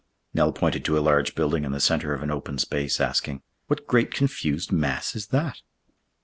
Nell pointed to a large building in the center of an open space, asking, "What great confused mass is that?"